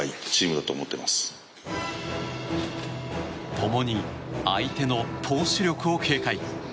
共に相手の投手力を警戒。